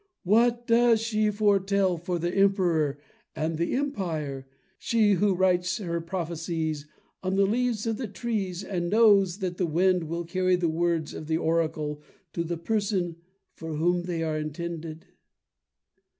What does she foretell for the Emperor and the Empire—she, who writes her prophecies on the leaves of the trees and knows that the wind will carry the words of the oracle to the person for whom they are intended?"